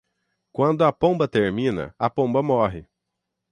Quando a pomba termina, a pomba morre.